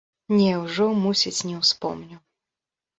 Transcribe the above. Не, ужо, мусіць, не ўспомню!